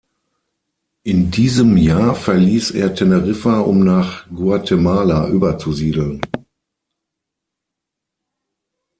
In diesem Jahr verließ er Teneriffa, um nach Guatemala überzusiedeln.